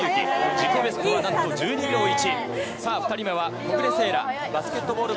自己ベストはなんと１２秒１。